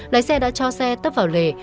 lái xe đã cho xe tấp vào lề